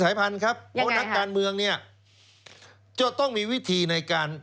พันธุ์ครับเพราะนักการเมืองเนี่ยจะต้องมีวิธีในการ